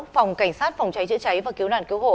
phòng cảnh sát phòng cháy chữa cháy và cứu nạn cứu hộ